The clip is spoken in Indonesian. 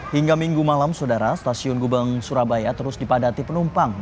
hingga minggu malam saudara stasiun gubeng surabaya terus dipadati penumpang